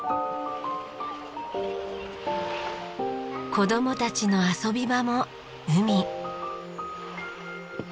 子供たちの遊び場も海。